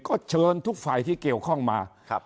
ก็เชิญทุกฝ่ายที่เกี่ยวข้องมา